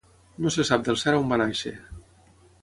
No se sap del cert on va néixer.